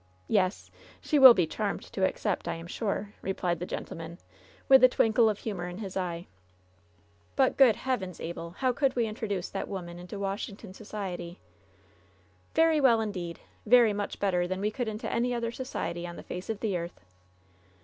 "Yes. She will be charmed to accept, I am sure/' replied the gentleman, with a twinkle of humor in his eye. ^^ut, good heavens, Abel! how could we introduce that woman into Washington society ?'* "Very well, indeed. Very much better than we could into any other society on the face of the earth.